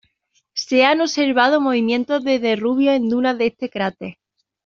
Se han observado movimientos de derrubios en dunas de este cráter.